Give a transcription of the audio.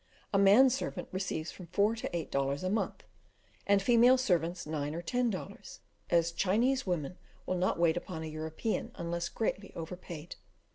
A man servant receives from four to eight dollars a month, and female servants nine or ten dollars, as Chinese women will not wait upon a European unless greatly overpaid.